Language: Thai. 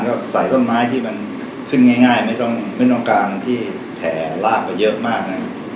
ก็ใส่ต้นไม้ที่มันขึ้นง่ายไม่ต้องการที่แผ่ลากไปเยอะมากนะ